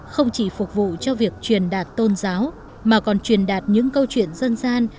không chỉ phục vụ cho việc truyền đạt tôn giáo mà còn truyền đạt những câu chuyện dân gian